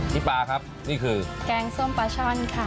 พี่ปลาครับนี่คือแกงส้มปลาช่อนค่ะ